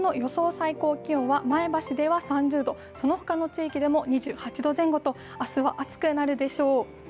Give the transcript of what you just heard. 最高気温は前橋では３０度、そのほかの地域でも２８度前後と明日は暑くなるでしょう。